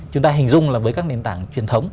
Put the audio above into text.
chúng ta hình dung là với các nền tảng truyền thống